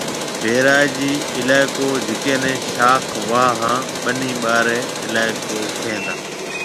بئراجِي علائقو جڪيَ نيَ شاخ، واھ ھان ٻنِي ٻارَي علائقو ڪھيََََ ھيََََ